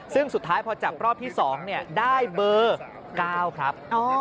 ซึ่งสุดท้ายพอจับรอบที่๒ได้เบอร์๙ครับ